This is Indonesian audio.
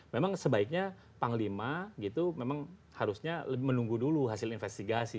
memang sebaiknya panglima harusnya menunggu dulu hasil investigasi